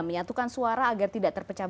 menyatukan suara agar tidak terpecah